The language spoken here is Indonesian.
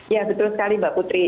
ya betul sekali mbak putri